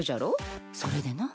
それでな。